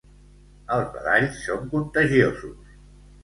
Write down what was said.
Els badalls són contagiosos